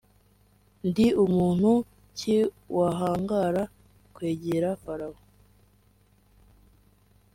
“ndi muntu ki wahangara kwegera Farawo